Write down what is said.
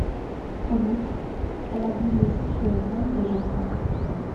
En outre, elle abusait sexuellement des jeunes femmes.